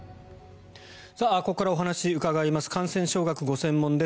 ここからお話を伺います。